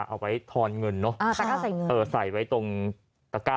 เอาไว้ทอนเงินเนอะใส่เงินเออใส่ไว้ตรงตะก้า